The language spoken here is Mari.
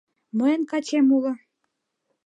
— Мыйын качем уло».